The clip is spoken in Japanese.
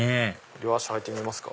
両足履いてみますか？